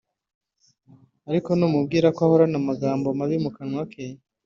ariko numubwira ko ahorana amagambo mabi mu kanwa ke